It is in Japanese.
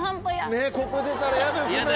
ねっここ出たら嫌ですね。